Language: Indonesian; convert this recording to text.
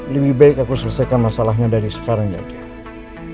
lebih baik aku selesaikan masalahnya dari sekarang jadi